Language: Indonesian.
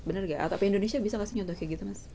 bener gak atau apa indonesia bisa kasih contoh kayak gitu mas